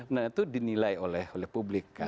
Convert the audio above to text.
nah itu dinilai oleh publik